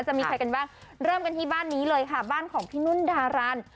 จะมีใครกันบ้างเริ่มกันที่บ้านนี้เลยค่ะบ้านของพี่นุ่นดารัน